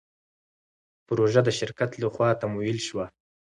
پروژه د شرکت له خوا تمویل شوه.